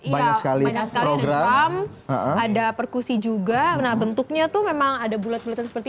banyak sekali program ada perkusi juga nah bentuknya tuh memang ada bulet bulet seperti